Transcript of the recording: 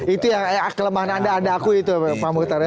itu yang kelemahan anda anda aku itu pak mukhtar